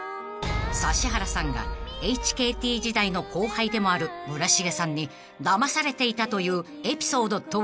［指原さんがＨＫＴ時代の後輩でもある村重さんにだまされていたというエピソードとは］